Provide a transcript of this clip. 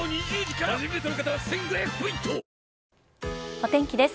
お天気です。